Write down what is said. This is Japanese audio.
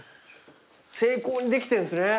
精巧にできてるんですね。